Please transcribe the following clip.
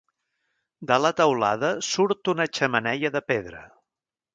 De la teulada surt una xemeneia de pedra.